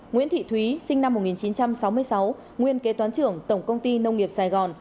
nguyễn thị thúy sinh năm một nghìn chín trăm sáu mươi sáu nguyên kế toán trưởng tổng công ty nông nghiệp sài gòn